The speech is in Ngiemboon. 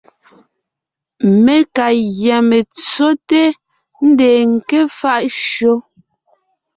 Mé ka gÿá metsóte, ńdeen ńké faʼ shÿó.